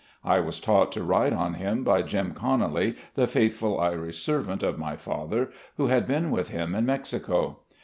I was taught to ride on him by Jim Connally, the faithful Irish servant of my father, who had been with him in Mexico.